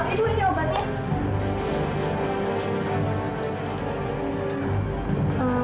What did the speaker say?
ibu ini obat ya